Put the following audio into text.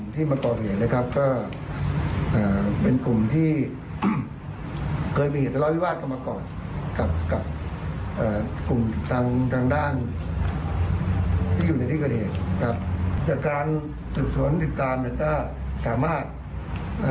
ตำรวจขอบคลกับที่อยู่ที่เกรดเหตุนะครับ